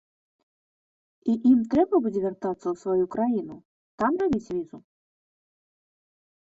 І ім трэба будзе вяртацца ў сваю краіну, там рабіць візу?